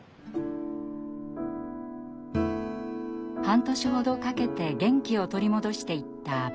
半年ほどかけて元気を取り戻していった阿部さん。